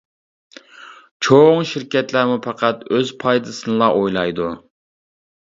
چوڭ شىركەتلەرمۇ پەقەت ئۆز پايدىسىنىلا ئويلايدۇ.